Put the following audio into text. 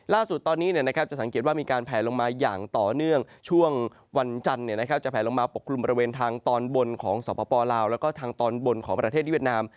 ล่าสุดตอนนี้จะสังเกตว่ามีการแผลลงมาอย่างต่อเนื่องช่วงวันจันทร์จะแผลลงมาปกกลุ่มบริเวณทางตอนบนของสปลาวแล้วก็ทางตอนบนของประเทศที่เวียดนาม